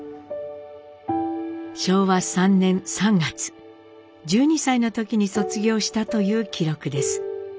昭和３年３月１２歳の時に卒業したという記録です。